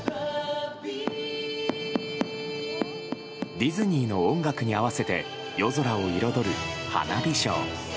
ディズニーの音楽に合わせて夜空を彩る花火ショー。